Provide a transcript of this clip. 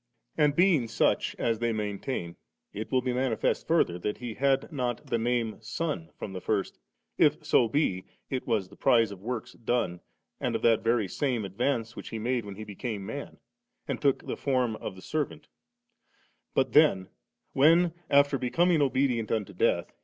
And being such, as they maintain, it will be manifest further that He had not the name ' Son ' from the first, if so be it was the prize of works done and of that very same advance which He made when He became man, and took the form of the servant ; but then, when, affcer becoming 'obedient unto death,' He * Phil.